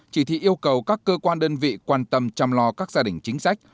chỉ thị yêu cầu các cơ quan đơn vị quan tâm chăm lo các gia đình chính sách